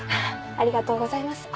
ありがとうございます。